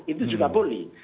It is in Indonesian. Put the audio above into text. itu juga boleh